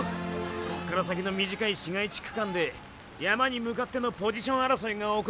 こっから先の短い市街地区間で山に向かってのポジション争いが起こる。